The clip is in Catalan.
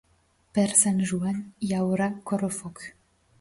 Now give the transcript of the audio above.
Per Sant Joan hi haurà correfoc.